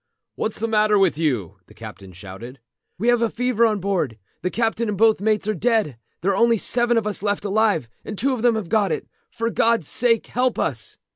"What's the matter with you?" the captain shouted. "We have got fever on board. The captain and both mates are dead. There are only seven of us left alive, and two of them have got it. For God's sake help us!"